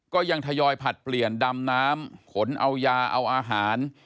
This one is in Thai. ก็ยังทยอยผัดเปลี่ยนดำน้ำขนเอายาเอาอาหาร